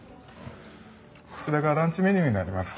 こちらがランチメニューになります。